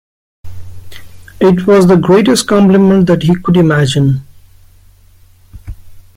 It was the greatest compliment that he could imagine.